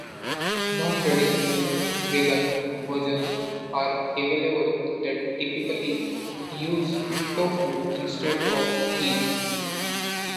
Non-traditional vegan versions are available that typically use tofu instead of cheese.